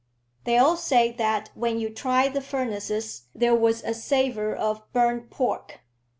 "They all say that when you tried the furnaces there was a savour of burnt pork."